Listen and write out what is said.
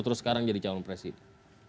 terus sekarang jadi calon presiden